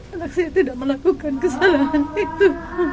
anak saya tidak melakukan kesalahan itu